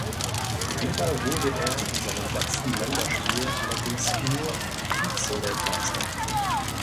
Wieder wurde er, in seinem letzten Länderspiel, allerdings "nur" Vize-Weltmeister.